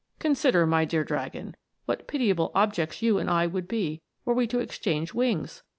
Consider, my dear dragon, what pitiable objects you and I would be were we to exchange wings